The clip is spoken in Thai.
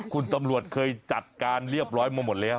คุณตำรวจเคยจัดการเรียบร้อยมาหมดแล้ว